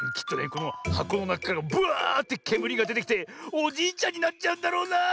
このはこのなかからぶわってけむりがでてきておじいちゃんになっちゃうんだろうなあ。